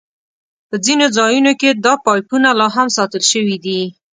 په ځینو ځایونو کې دا پایپونه لاهم ساتل شوي دي.